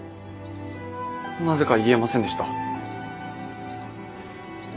なぜか言えませんでした。